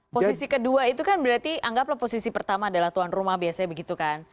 posisi kedua itu kan berarti anggaplah posisi pertama adalah tuan rumah biasanya begitu kan